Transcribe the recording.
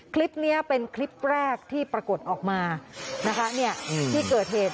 คลิปนี้เป็นคลิปแรกที่ประกดออกมาที่เกิดเหตุ